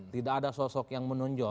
tidak ada sosok yang menonjol